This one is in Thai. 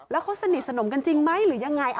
แล้วเขาสนิทสนมกันจริงไหมหรือยังไง